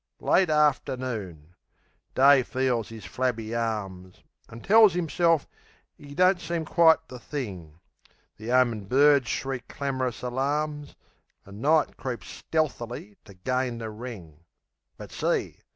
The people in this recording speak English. Late afternoon...Day feels 'is flabby arms, An' tells 'imself 'e don't seem quite the thing. The 'omin' birds shriek clamorous alarms; An' Night creeps stealthily to gain the ring. But see!